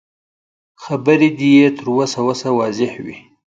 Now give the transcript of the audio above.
خبرې دې يې تر وسه وسه واضح وي.